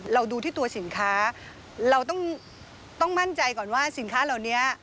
เราดูที่ตัวสินค้าเราต้องมั่นใจก่อนว่าสินค้าเหล่านี้